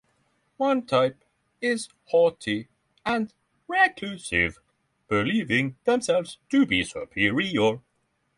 One type is haughty and reclusive, believing themselves to be superior.